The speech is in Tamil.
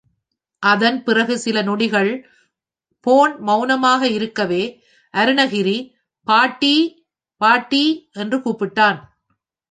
அதன் பிறகு சில நொடிகள் போன் மவுனமாக இருக்கவே, அருணகிரி, பாட்டி... பாட்டி... என்று கூப்பிட்டான்.